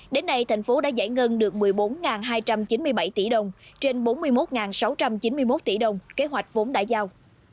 đến nay thành phố đã giải ngân được một mươi bốn hai trăm chín mươi bảy tỷ đồng trên bốn mươi một sáu trăm chín mươi một tỷ đồng kế hoạch vốn đã giao